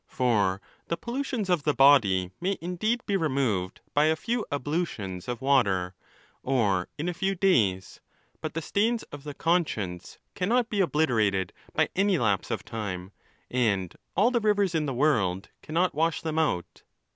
For the pollutions of the body may indeed be removed by a few ablutions of water, or in a few days; but the stains of the conscience cannot be obliterated by any lapse of time, and all the rivers in the world cannot wash them out.